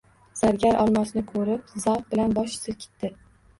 Zargar olmosni koʻrib, zavq bilan bosh silkitdi